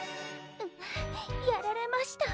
ううやられました。